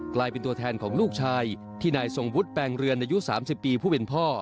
กลายเป็นตัวแทนของลูกชายที่นายทรงวุฒิแปลงเรือนอายุ๓๐ปีผู้เป็นพ่อ